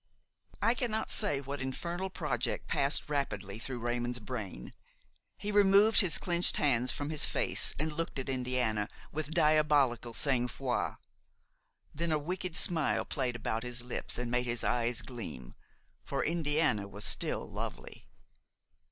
I cannot say what infernal project passed rapidly through Raymon's brain. He removed his clenched hands from his face and looked at Indiana with diabolical sang froid; then a wicked smile played about his lips and made his eyes gleam, for Indiana was still lovely.